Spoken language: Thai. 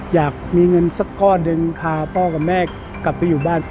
อยากมีเงินสักก้อนหนึ่งพาพ่อกับแม่กลับไปอยู่บ้าน